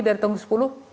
dari tahun ke sepuluh